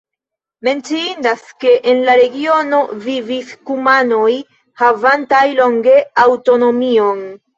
Menciindas, ke en la regiono vivis kumanoj havantaj longe aŭtonomion.